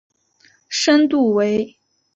深度为。